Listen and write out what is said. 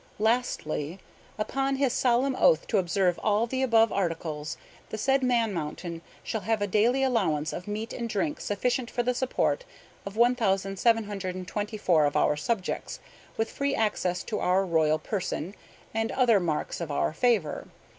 "Lastly. Upon his solemn oath to observe all the above articles, the said Man Mountain shall have a daily allowance of meat and drink sufficient for the support of 1,724 of our subjects, with free access to our royal person, and other marks of our favor.